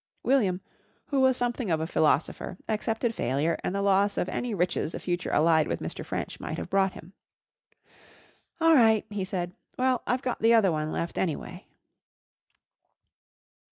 William, who was something of a philosopher, accepted failure, and the loss of any riches a future allied with Mr. French might have brought him. "All right!" he said. "Well, I've got the other one left, anyway."